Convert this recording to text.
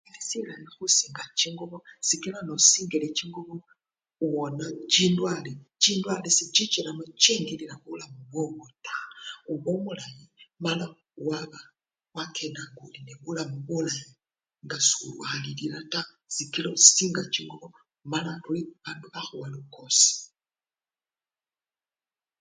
Silayi khusinga chingubo sikila nosingile chingubo owona chindwale, chindwale nechichile chengililamo mubulamu bwowo taa. Oba omulayi mala wakenda nga oli nebulamu bulayi nga solwalilila taa sikila osinga chingubo mala esiwekhale bakhuwa lukosi.